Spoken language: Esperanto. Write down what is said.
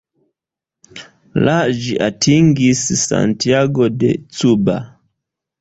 La ĝi atingis Santiago de Cuba.